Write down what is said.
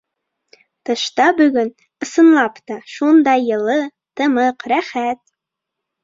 Тышта бөгөн, ысынлап та, шундай йылы, тымыҡ, рәхәт.